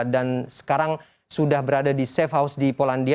dan sekarang sudah berada di safe house di polandia